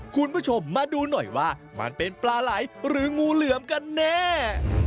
คุณผู้ชมมาดูหน่อยว่ามันเป็นปลาไหลหรืองูเหลือมกันแน่